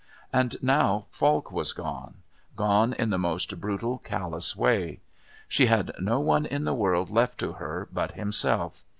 And now Falk was gone, gone in the most brutal, callous way. She had no one in the world left to her but himself.